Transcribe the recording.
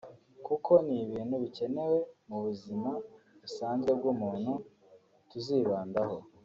kuko ni ibintu bikenewe mu buzima busanzwe bw’umuntu tuzibandaho